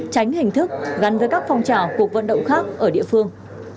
tránh hình thức gắn với các phong trào cuộc vận động khác ở địa phương